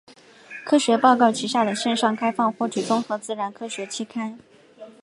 科学报告旗下的线上开放获取综合自然科学期刊。